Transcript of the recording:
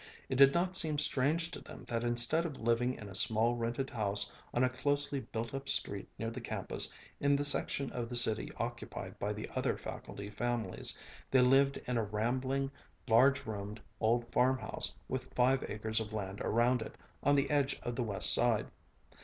It did not seem strange to them that instead of living in a small rented house on a closely built up street near the campus in the section of the city occupied by the other faculty families, they lived in a rambling, large roomed old farmhouse with five acres of land around it, on the edge of the West Side.